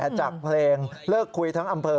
จากเพลงเลิกคุยทั้งอำเภอ